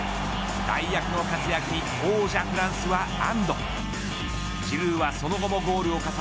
代役の活躍に王者フランスは安堵。